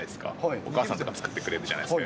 お母さんとか作ってくれるじゃないですか。